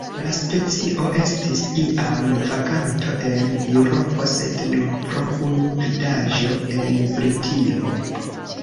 La specio estis iam vaganto en Eŭropo, sed nur pro unu vidaĵo en Britio.